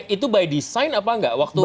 itu by design apa enggak waktu